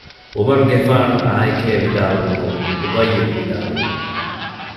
ޢުމަރުގެފާނު އާނއެކޭ ވިދާޅުވުމުން އުބައްޔު ވިދާޅުވި